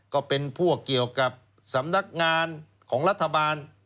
ก็เป็นพวกเกี่ยวกับสำนักงานของรัฐบาล